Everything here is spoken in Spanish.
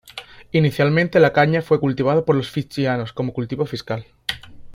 Inicialmente la caña fue cultivada por los fiyianos como un cultivo fiscal.